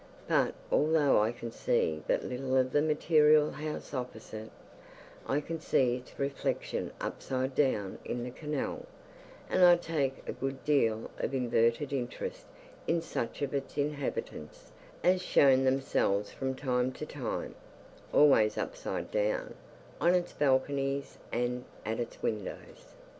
But, although I can see but little of the material house opposite, I can see its reflection upside down in the canal, and I take a good deal of inverted interest in such of its inhabitants as show themselves from time to time (always upside down) on its balconies and at its windows.